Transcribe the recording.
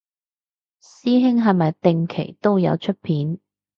師兄係咪定期都有出片